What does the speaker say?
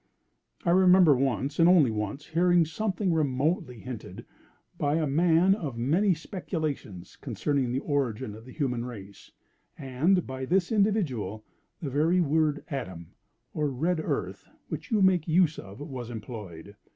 I remember once, and once only, hearing something remotely hinted, by a man of many speculations, concerning the origin of the human race; and by this individual, the very word Adam (or Red Earth), which you make use of, was employed.